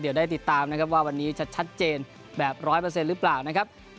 เดี๋ยวได้ติดตามนะครับว่าวันนี้ชัดเจนแบบ๑๐๐หรือเปล่านะครับ